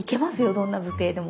どんな図形でも。